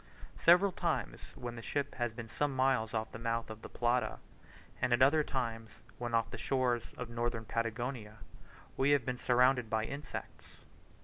Several times when the ship has been some miles off the mouth of the Plata, and at other times when off the shores of Northern Patagonia, we have been surrounded by insects.